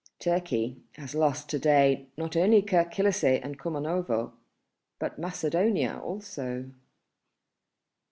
Turkey has lost to day not only Kirk Kilisseh and Kumanovo, but Macedonia also."